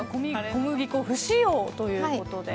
小麦粉不使用ということで。